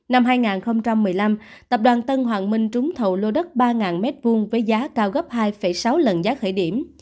năm hai nghìn một mươi năm tập đoàn tân hoàng minh trúng thầu lô đất ba m hai với giá cao gấp hai sáu lần giá khởi điểm